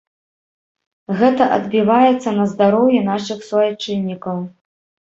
Гэта адбіваецца на здароўі нашых суайчыннікаў.